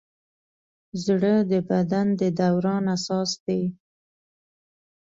زړه د بدن د دوران اساس دی.